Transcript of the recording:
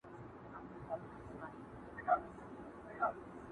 د حلال او د حرام سوچونه مکړه،